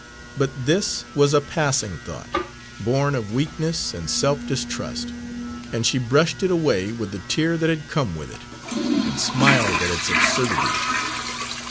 But this was a passing thought, born of weakness and self distrust, and she brushed it away with the tear that had come with it, and smiled at its absurdity.